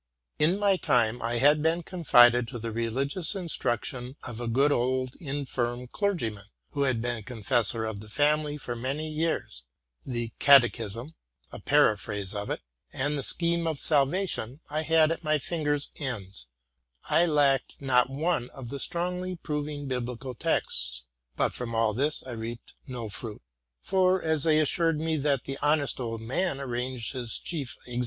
In my time I had been confided to the religious instruction of a good old infirm clergyman, who had been confessor of the family for many years. The '' Catechism,'' a '' Para phrase '' of it, and the '' Scheme of Salvation,' I had at my finger's ends: I lacked not one of the strongly proving bibli cal texts, but from all this I reaped no fruit; for, as they assured me that the honest ald man arranged his chief ex RELATING TO MY LIFE.